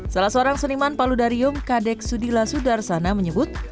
salah seorang seniman paludarium kadek sudila sudarsana menyebut